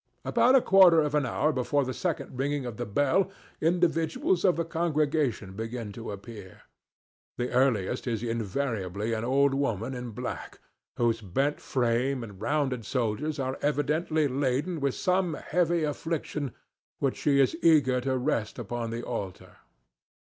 About a quarter of an hour before the second ringing of the bell individuals of the congregation begin to appear. The earliest is invariably an old woman in black whose bent frame and rounded shoulders are evidently laden with some heavy affliction which she is eager to rest upon the altar.